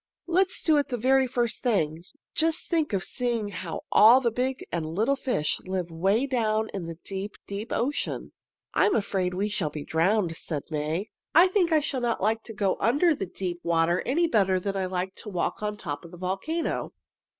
"Let's do it the very first thing. Just think of seeing how all the big and little fish live 'way down in the deep, deep ocean!" "I am afraid we shall be drowned," said May. "I think I shall not like to go under the deep water any better than I liked to walk on top of the volcano."